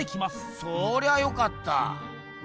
そりゃよかった。